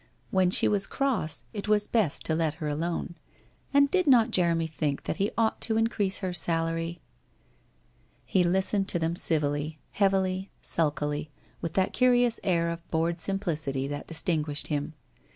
When she was cross, it was best to let her alone. And did not Jeremy think that he ought to increase her salary ? He listened to them civilly, heavily, sulkily, with that curious air of bored simplicity that distinguished him.